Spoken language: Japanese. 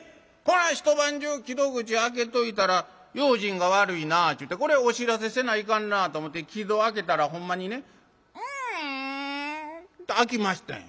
一晩中木戸口開けといたら用心が悪いなぁちゅうてこれお知らせせないかんなぁと思て木戸開けたらほんまにねキィって開きましたんや。